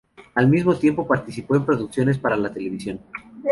Al mismo tiempo, participó en producciones para la televisión.